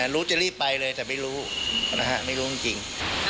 รู้จะรีบไปเลยแต่ไม่รู้นะฮะไม่รู้ไม่รู้จริง